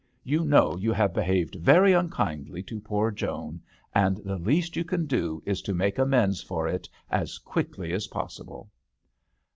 You know you have behaved very unkindly to poor Joan, and the least you can do is to make amends for it as quickly as possible."